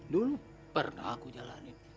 dulu pernah aku jalanin